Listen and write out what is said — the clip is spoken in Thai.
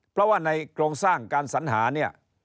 เพราะว่าในโครงสร้างการสัญหาเนี่ย